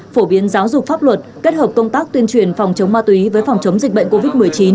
phổ biến giáo dục pháp luật kết hợp công tác tuyên truyền phòng chống ma túy với phòng chống dịch bệnh covid một mươi chín